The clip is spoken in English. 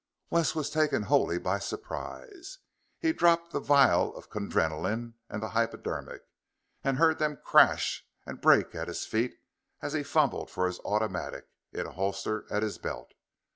Wes was taken wholly by surprise. He dropped the vial of Kundrenaline and the hypodermic, and he heard them crash and break at his feet as he fumbled for his automatic, in a holster at his belt.